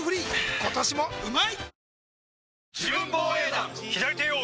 今年もうまい！